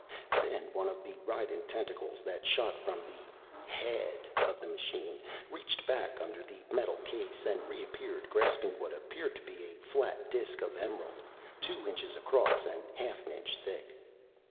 Then one of the writhing tentacles that shot from the "head" of the machine reached back under the metal case, and reappeared grasping what appeared to be a flat disk of emerald, two inches across and half an inch thick.